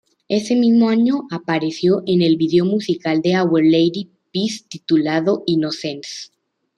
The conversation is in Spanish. Ese mismo año apareció en el video musical de Our Lady Peace titulado "Innocence".